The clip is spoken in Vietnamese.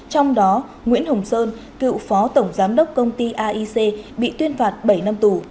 trong đó nguyễn hồng sơn cựu phó tổng giám đốc công ty aic bị tuyên phạt bảy năm tù